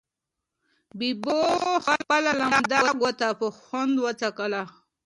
ببو خپله لمده ګوته په خوند وڅټله.